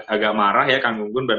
agak marah ya kang gunggun dan